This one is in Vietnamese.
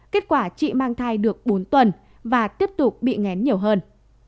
kết quả chị mang thai được bốn tuần và tiếp tục bị ngén nhiều hơn